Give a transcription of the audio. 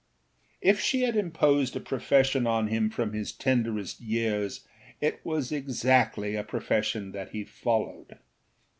If she had imposed a profession on him from his tenderest years it was exactly a profession that he followed.